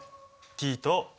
ＴとＡ。